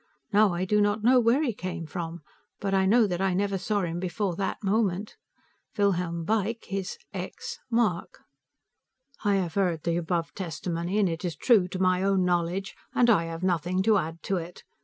Now I do not know where he came from, but I know that I never saw him before that moment. Wilhelm Beick his (x) mark I have heard the above testimony, and it is true to my own knowledge, and I have nothing to add to it.